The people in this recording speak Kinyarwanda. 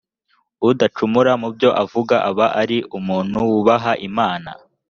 udacumura mu byo avuga aba ari umuntu wubaha imana